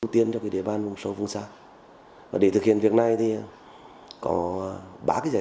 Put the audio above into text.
theo thống kê trong năm năm gần đây